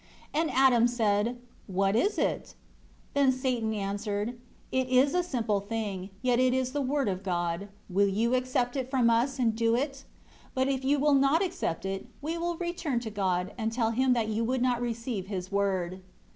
6 And Adam said, "What is it?" Then Satan answered, "It is a simple thing, yet it is the Word of God, will you accept it from us and do it? But if you will not accept it, we will return to God, and tell Him that you would not receive His Word."